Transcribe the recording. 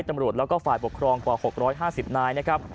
ตำรวจแล้วก็ฝ่ายปกครองกว่า๖๕๐นายนะครับ